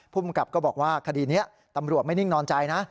ภูมิกับก็บอกว่าคดีนี้ตำรวจไม่นิ่งนอนใจนะ